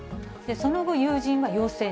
その後、友人は陽性。